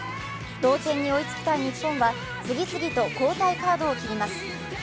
同点に追いつきたい日本は、次々と交代カードを切ります。